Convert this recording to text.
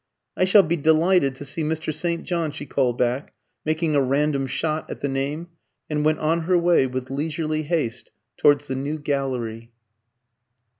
"I shall be delighted to see Mr. St. John," she called back, making a random shot at the name, and went on her way with leisurely haste towards the New Gallery.